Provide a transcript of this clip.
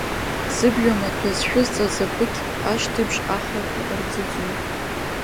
Зыбҩа маҭәа зшәызҵаз абыкь ашьҭыбжь ахрақәа арӡыӡон.